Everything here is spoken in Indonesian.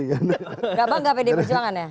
enggak bangga pd berjuangan ya